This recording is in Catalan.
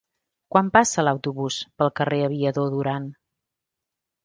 Quan passa l'autobús pel carrer Aviador Durán?